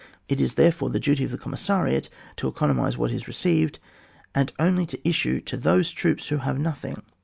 It is therefore the duty of the commissariat to economise what is received, and only to issue to those troops who have nothing.